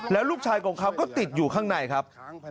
แล้วลูกชายของเขาก็ติดอยู่ข้างในครับ